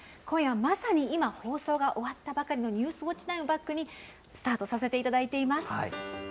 今夜まさに今、放送が終わったばかりの「ニュースウオッチ９」をバックにスタートさせていただいています。